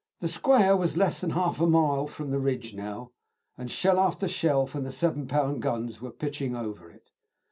The square was less than half a mile from the ridge now, and shell after shell from the 7 lb. guns were pitching over it.